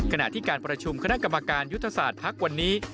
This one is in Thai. ขณะที่การประชุมคณะกรรมการยุทธศาสตร์ภักดิ์วันนี้